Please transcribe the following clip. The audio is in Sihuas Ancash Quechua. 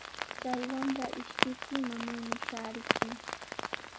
Chay wamra ishkiptin mamanmi shaarichin.